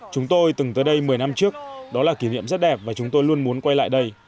chúng tôi từng tới đây một mươi năm trước đó là kỷ niệm rất đẹp và chúng tôi luôn muốn quay lại đây